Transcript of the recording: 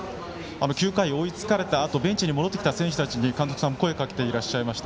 ９回、追いつかれたあとベンチに戻ってきた選手たちに声をかけていらっしゃいました。